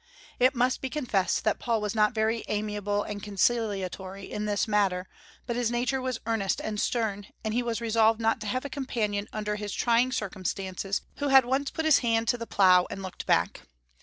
It must be confessed that Paul was not very amiable and conciliatory in this matter; but his nature was earnest and stern, and he was resolved not to have a companion under his trying circumstances who had once put his hand to the plough and looked back.